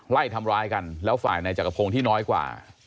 ไล่ทำร้ายกันแล้วฝ่ายในจักรพงศ์ที่น้อยกว่า